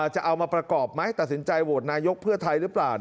จะเอามาประกอบไหมตัดสินใจโหวตนายกเพื่อไทยหรือเปล่า